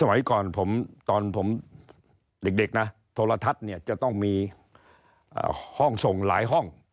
สมัยก่อนผมตอนผมเด็กนะโทรทัศน์เนี่ยจะต้องมีห้องส่งหลายห้อง